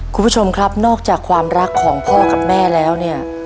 คุณผู้ชมครับนอกจากความรักของพ่อกับแม่แล้วเนี่ย